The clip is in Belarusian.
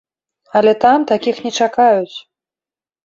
Але там такіх не чакаюць.